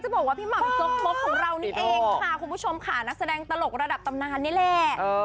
บอกว่าพี่หม่ำจกมกของเรานี่เองค่ะคุณผู้ชมค่ะนักแสดงตลกระดับตำนานนี่แหละ